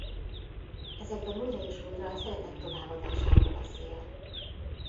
Ezekben újra és újra a szeretet továbbadásáról beszél.